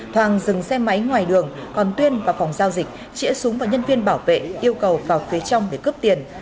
thoang dừng xe máy ngoài đường còn tuyên vào phòng giao dịch chĩa súng và nhân viên bảo vệ yêu cầu vào phía trong để cướp tiền